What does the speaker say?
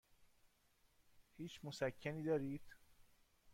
هیچ مسکنی دارید؟